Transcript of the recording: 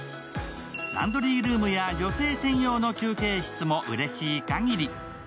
ランドリールームや女性専用の休憩室もうれしいかぎり。